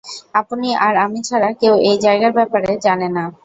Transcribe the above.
আপনি আর আমি ছাড়া কেউ এই জায়গার ব্যাপারে জানে না।